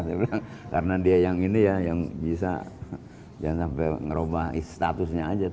saya bilang karena dia yang ini ya yang bisa jangan sampai merubah statusnya aja